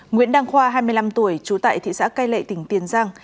nguyễn đăng khoa hai mươi năm tuổi trú tại thị xã cai lệ tỉnh tiền giang